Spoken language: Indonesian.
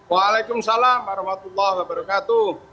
waalaikumsalam warahmatullahi wabarakatuh